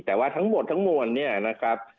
แต่ว่าทั้งหมดทั้งมวลเนี่ยนะครับ